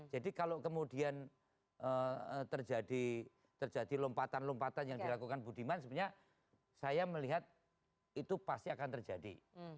jadi kalau kemudian terjadi lompatan lompatan yang dilakukan budiman sebenarnya saya melihat itu pasti akan terjadi